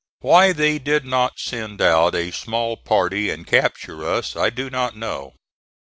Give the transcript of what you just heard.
Why they did not send out a small party and capture us, I do not know.